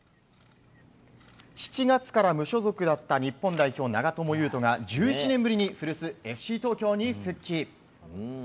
７月から無所属だった日本代表、長友佑都が１１年ぶりに古巣・ＦＣ東京に復帰。